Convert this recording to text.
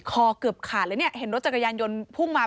เกือบขาดเลยเนี่ยเห็นรถจักรยานยนต์พุ่งมา